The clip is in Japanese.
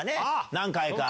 何回か。